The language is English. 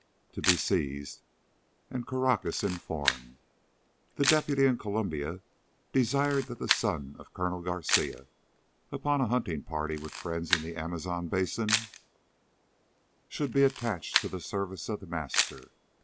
To be seized and Caracas informed. The deputy in Colombia desired that the son of Colonel García upon a hunting party with friends in the Amazon basin should be attached to the service of The Master.